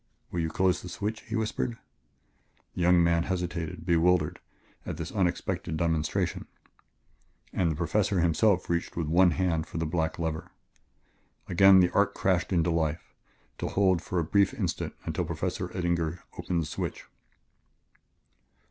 "Will you close the switch," he whispered. The young man hesitated, bewildered, at this unexpected demonstration, and the Professor himself reached with his one hand for the black lever. Again the arc crashed into life, to hold for a brief instant until Professor Eddinger opened the switch.